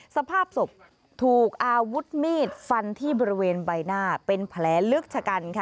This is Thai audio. สภาพศพถูกอาวุธมีดฟันที่บริเวณใบหน้าเป็นแผลลึกชะกันค่ะ